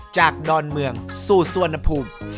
จากดอนเมืองสู่สวนภูมิ